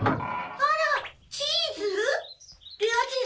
あらチーズ？